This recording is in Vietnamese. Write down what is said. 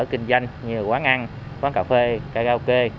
kinh doanh như quán ăn quán cà phê karaoke